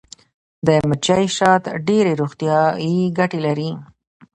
د مچۍ شات ډیرې روغتیایي ګټې لري